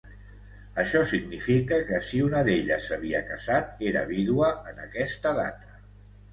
Això significa que si una d'ella s'havia casat, era vídua en aquesta data.